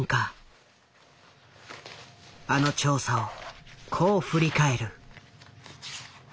あの調査をこう振り返る。